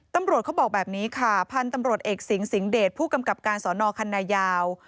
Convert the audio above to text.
ตำรวจเขาบอกแบบนี้ค่ะพันธุ์ตำรวจเอกสิงสิงเดชผู้กำกับการสอนอคันนายาว